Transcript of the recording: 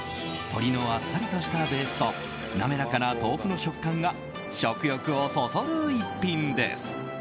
鶏のあっさりとしたベースと滑らかな豆腐の食感が食欲をそそる一品です。